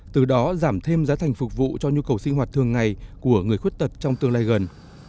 từ đó giảm thêm giá thành phục vụ cho nhu cầu sinh hoạt thường ngày của người khuyết tật trong tương lai gần